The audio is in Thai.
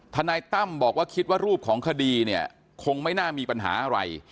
นายตั้มบอกว่าคิดว่ารูปของคดีเนี่ยคงไม่น่ามีปัญหาอะไร